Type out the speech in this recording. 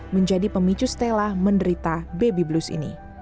menjadi pemicu stella menderita baby blues ini